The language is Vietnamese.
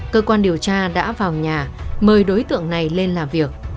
cơ quan điều tra đã vào nhà mời đối tượng này lên làm việc